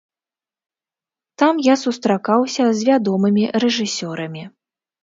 Там я сустракаўся з вядомымі рэжысёрамі.